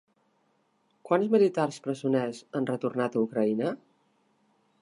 Quants militars presoners han retornat a Ucraïna?